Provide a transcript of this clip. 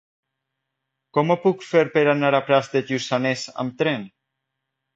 Com ho puc fer per anar a Prats de Lluçanès amb tren?